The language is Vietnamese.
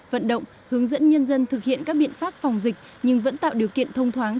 vận động hướng dẫn nhân dân thực hiện các biện pháp phòng dịch nhưng vẫn tạo điều kiện thông thoáng